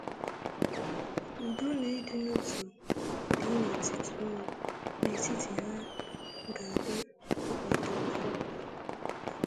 udo na ịdịnotu dị n'etiti ha ga-adị ọkpụtọrọkpụ.